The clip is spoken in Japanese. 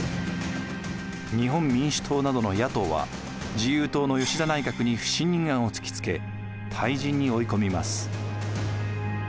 日本民主党などの野党は自由党の吉田内閣に不信任案を突きつけ退陣に追い込みます。